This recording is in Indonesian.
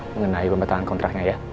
mengenai pembetulan kontraknya ya